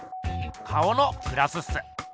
顔のグラスっす。